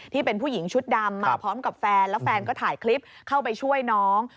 ที่เป็นผู้หญิงชุดดำมาพร้อมกับแฟนแล้วแฟนก็ถ่ายคลิปเข้าไปช่วยน้อง